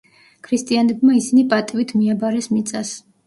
ქრისტიანებმა ისინი პატივით მიაბარეს მიწას.